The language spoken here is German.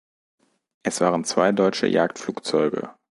Es waren zwei deutsche Jagdflugzeuge.